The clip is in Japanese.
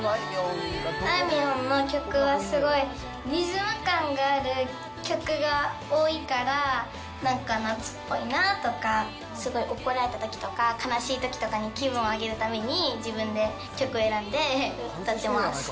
あいみょんの曲はすごいリズム感がある曲が多いから、なんか夏っぽいなとか、すごい怒られたときとか、悲しいときとかに気分を上げるために、自分で曲選んで歌ってます。